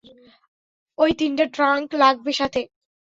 অই তিনটা ট্রাংক লাগবে সাথে!